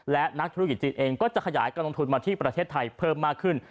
และนักธุรกิจจีนเองก็จะขยายการลงทุนมาที่ประเทศไทยเพิ่มมากขึ้น